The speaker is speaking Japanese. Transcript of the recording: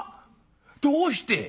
どうして？